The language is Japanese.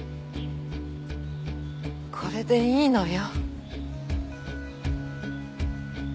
これでいいのよ。